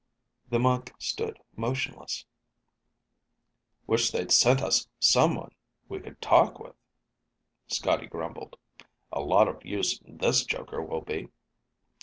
The monk stood motionless. "Wish they'd sent us someone we could talk with," Scotty grumbled. "A lot of use this joker will be!"